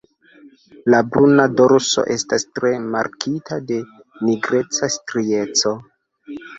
La bruna dorso estas tre markita de nigreca strieco.